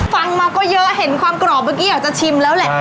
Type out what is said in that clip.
ฟังมาก็เยอะเห็นความกรอบเมื่อกี้อยากจะชิมแล้วแหละ